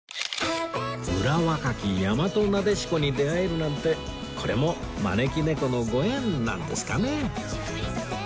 うら若き大和撫子に出会えるなんてこれも招き猫のご縁なんですかね